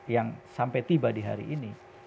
yang sampai tiba di hari ini